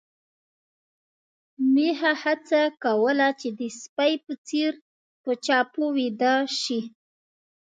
میښه هڅه کوله چې د سپي په څېر په چپو ويده شي.